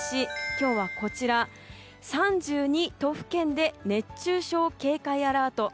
今日は、３２都府県で熱中症警戒アラート。